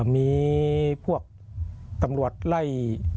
มีพวกตำรวจไล่